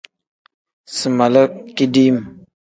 Si mala kidim.